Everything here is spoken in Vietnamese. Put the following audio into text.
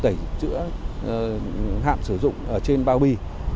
tẩy chữa hạm sử dụng trên bao bi